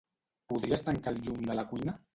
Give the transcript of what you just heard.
Podries tancar el llum de la cuina?